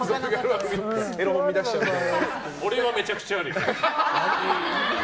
俺はめちゃくちゃあるよ。